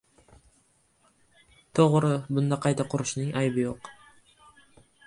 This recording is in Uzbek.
To‘g‘ri, bunda qayta qurishning aybi yo‘q.